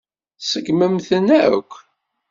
Tseggmemt-ten akk.